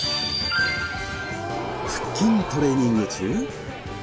腹筋トレーニング中？